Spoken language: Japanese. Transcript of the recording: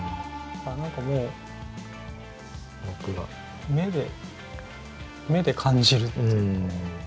何かもう目で目で感じるっていうか。